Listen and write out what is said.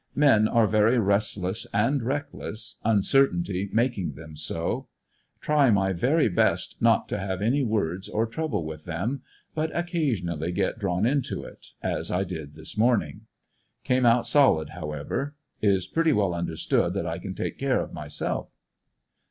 Men are very rest less and reckless, uncertainty making them so Try my very best not to have any words or trouble with them, but occasionally get drawn into it^ as I did this morning. Came out solid however. Is pretty well understood that I can take care of myself.